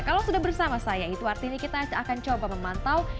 kalau sudah bersama saya itu artinya kita akan coba memantau